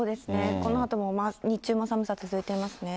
このあとも日中も寒さ続いていますね。